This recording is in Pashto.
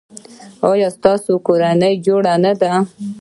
ایا ستاسو کورنۍ جوړه نه ده؟